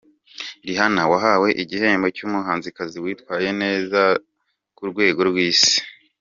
Rihanna, wahawe igihembo cy’umuhanzikazi witwaye neza ku rwego rw’isi.